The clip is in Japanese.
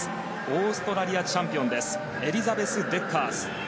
オーストラリアチャンピオンですエリザベス・デッカーズ。